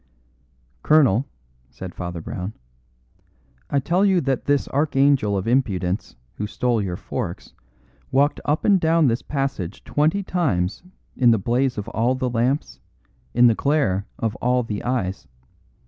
"Colonel," said Father Brown, "I tell you that this archangel of impudence who stole your forks walked up and down this passage twenty times in the blaze of all the lamps, in the glare of all the eyes.